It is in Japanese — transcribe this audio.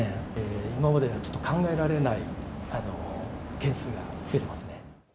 今までではちょっと考えられない件数が増えてますね。